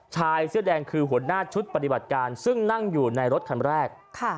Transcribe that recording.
ชายเสื้อแดงคือหัวหน้าชุดปฏิบัติการซึ่งนั่งอยู่ในรถคันแรก